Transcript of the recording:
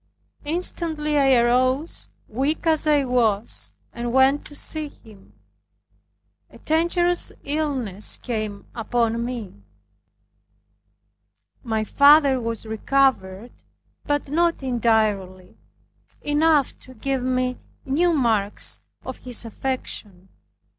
Instantly I arose, weak as I was, and went to see him. A dangerous illness came upon me. My father was recovered, but not entirely, enough to give me new marks of his affection.